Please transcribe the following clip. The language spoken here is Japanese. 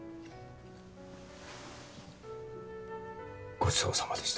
ごちそうさまでした